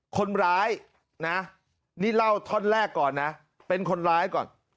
คนร้ายนะนี่เล่าท่อนแรกก่อนนะเป็นคนร้ายก่อน